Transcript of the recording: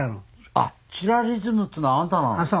あっチラリズムっつうのあなたなの？